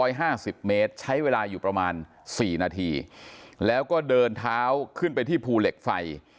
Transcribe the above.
ห้าสิบเมตรใช้เวลาอยู่ประมาณสี่นาทีแล้วก็เดินเท้าขึ้นไปที่ภูเหล็กไฟ